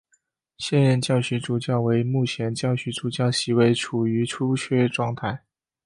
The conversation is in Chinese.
现任教区主教为目前教区主教席位处于出缺状态。